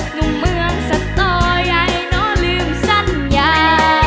หนุ่มเมืองสตอใหญ่น้องลืมสัญญา